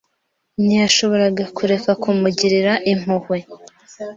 Ntiyashoboraga kureka kumugirira impuhwe.